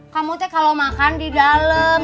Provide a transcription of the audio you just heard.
kamu tuh kalau makan di dalam